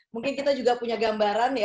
mungkin kita juga punya gambaran ya